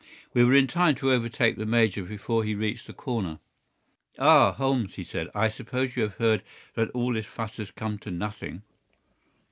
We were in time to overtake the major before he reached the corner. "Ah, Holmes," he said: "I suppose you have heard that all this fuss has come to nothing?"